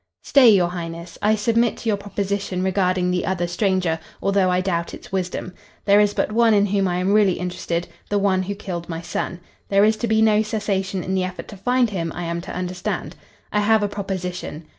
"Stay, your Highness. I submit to your proposition regarding the other stranger, although I doubt its wisdom. There is but one in whom I am really interested, the one who killed my son. There is to be no cessation in the effort to find him, I am to understand. I have a proposition.